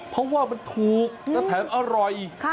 เพราะว่ามันถูกและแถมอร่อย